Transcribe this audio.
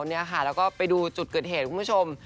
แล้วก็ไปดูจุดเกิดเหตุคุณผู้ชม